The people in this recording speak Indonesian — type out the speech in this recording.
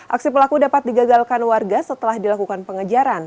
aksi pelaku dapat digagalkan warga setelah dilakukan pengejaran